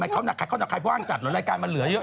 เข้านาคาย